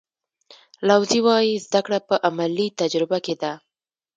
لاوزي وایي زده کړه په عملي تجربه کې ده.